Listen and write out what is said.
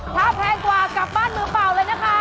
ถ้าแพงกว่ากลับบ้านมือเปล่าเลยนะคะ